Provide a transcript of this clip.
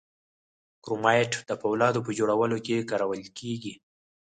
کرومایټ د فولادو په جوړولو کې کارول کیږي.